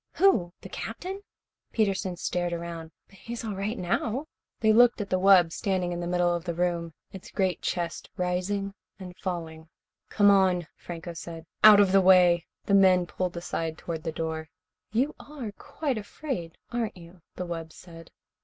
"Who? The Captain?" Peterson stared around. "But he's all right now." They looked at the wub, standing in the middle of the room, its great chest rising and falling. "Come on," Franco said. "Out of the way." The men pulled aside toward the door. "You are quite afraid, aren't you?" the wub said.